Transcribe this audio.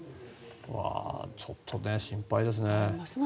ちょっと心配ですね。